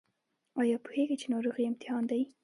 ایا پوهیږئ چې ناروغي امتحان دی؟